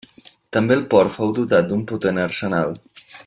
També el port fou dotat d'un potent arsenal.